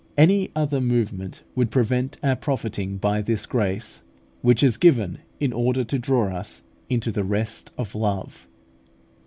Any other movement would prevent our profiting by this grace, which is given in order to draw us into the rest of love.